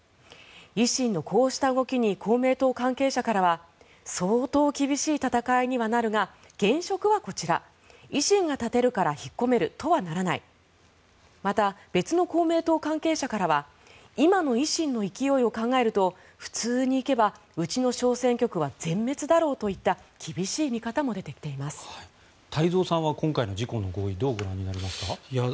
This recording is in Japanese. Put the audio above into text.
維新のこうした動きに公明党関係者からは相当厳しい戦いにはなるが現職はこちら維新が立てるから引っ込めるとはならないまた、別の公明党関係者からは今の維新の勢いを考えると普通に行けばうちの小選挙区は全滅だろうといった太蔵さんは今回の事項の合意どうご覧になりますか。